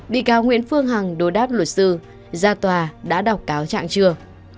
bị cáo nguyễn phương hằng đối đáp luật sư ra tòa đã đọc cáo trạng chưa